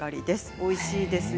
おいしいですよ。